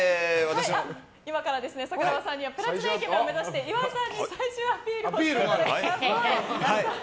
今から桜庭さんにはプラチナイケメン目指して岩井さんに最終アピールをしてもらいます。